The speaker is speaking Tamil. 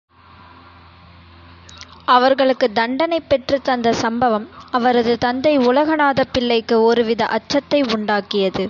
அவர்களுக்குத் தண்டனைப் பெற்றுத் தந்த சம்பவம், அவரது தந்தை உலகநாதப் பிள்ளைக்கு ஒருவித அச்சத்தை உண்டாக்கியது.